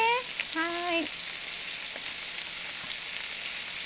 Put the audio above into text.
はい。